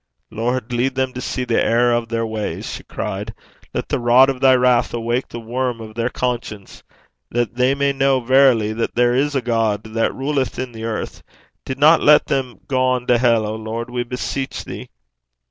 'Lord, lead them to see the error of their ways,' she cried. 'Let the rod of thy wrath awake the worm of their conscience that they may know verily that there is a God that ruleth in the earth. Dinna lat them gang to hell, O Lord, we beseech thee.'